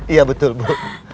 iya betul bu